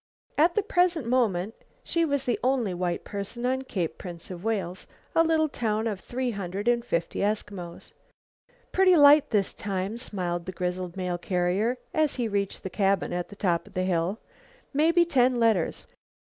At the present moment, she was the only white person at Cape Prince of Wales, a little town of three hundred and fifty Eskimos. "Pretty light this time," smiled the grizzled mail carrier as he reached the cabin at the top of the hill; "mebby ten letters."